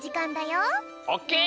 オッケー！